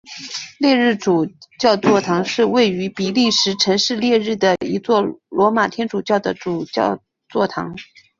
列日主教座堂是位于比利时城市列日的一座罗马天主教的主教座堂。